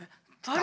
誰？